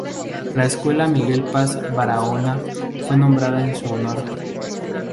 La escuela Miguel Paz Barahona fue nombrada en su honor.